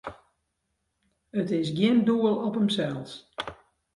It is gjin doel op himsels.